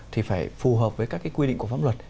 thì phải phù hợp với các cái quy định của pháp luật